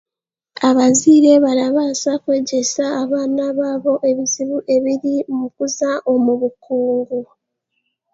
Abazaire barabaasa kwegyesa abaana baabo ebizibu ebiri mukuza omu bukungu